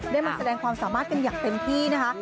มาแสดงความสามารถกันอย่างเต็มที่นะคะ